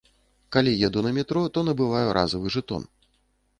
Калі еду на метро, то набываю разавы жэтон.